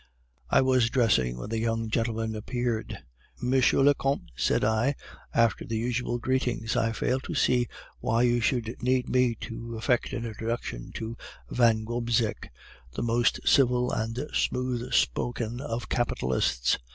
I was dressing when the young gentleman appeared. "'M. le Comte,' said I, after the usual greetings, 'I fail to see why you should need me to effect an introduction to Van Gobseck, the most civil and smooth spoken of capitalists.